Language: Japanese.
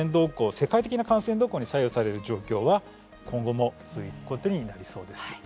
世界的な感染動向に左右される状況は今後も続くことになりそうです。